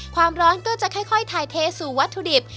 ความร้อนก็จะค่อยถ่ายเทสู่วัตถุดิบ